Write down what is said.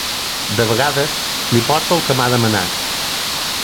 De vegades li porto el que m'ha demanat.